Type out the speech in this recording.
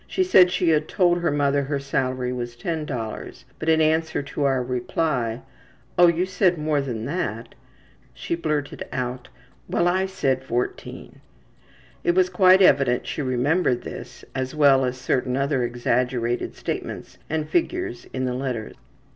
She said she had told her mother her salary was $10, but in answer to our reply, ``Oh, you said more than that,'' she blurted out, ``Well, I said $14.'' It was quite evident she remembered this, as well as certain other exaggerated statements and figures in the letter.